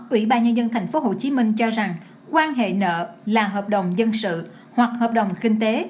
ủy ban nhân dân tp hcm cho rằng quan hệ nợ là hợp đồng dân sự hoặc hợp đồng kinh tế